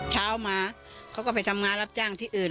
เช้ามาเขาก็ไปทำงานรับจ้างที่อื่น